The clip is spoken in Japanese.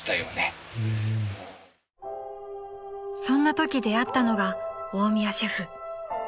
［そんなとき出会ったのが大宮シェフ］